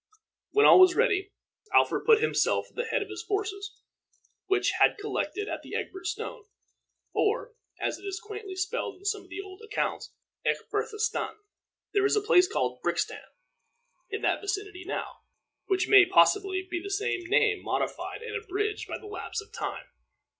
When all was ready, Alfred put himself at the head of the forces which had collected at the Egbert Stone, or, as it is quaintly spelled in some of the old accounts, Ecgbyrth stan. There is a place called Brixstan in that vicinity now, which may possibly be the same name modified and abridged by the lapse of time.